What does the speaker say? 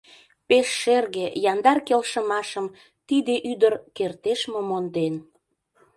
Пеш шерге, яндар келшымашым Тиде ӱдыр кертеш мо монден?